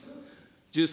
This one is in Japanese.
１３